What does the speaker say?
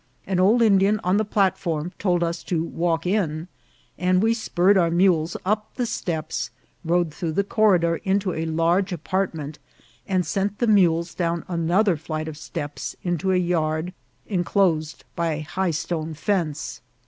An old Indian on the platform told us to walk in, and we spurred our mules up the steps, rode through the corridor into a large apartment, and sent the mules down another flight of steps into a yard en closed by a high stone fence.